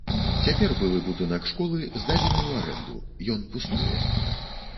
Цяпер былы будынак школы здадзены ў арэнду, ён пустуе.